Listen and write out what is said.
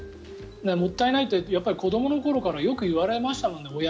もったいないって子どもの頃からよく言われましたもんね